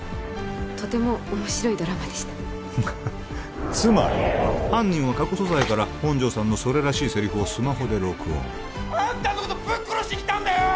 とても面白いドラマでしたつまり犯人は過去素材から本条さんのそれらしいセリフをスマホで録音あんたのことぶっ殺しに来たんだよ！